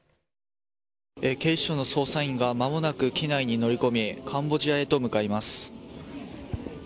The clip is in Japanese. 警視庁の捜査員がまもなく機内に乗り込み、カンボジアへと向かいます。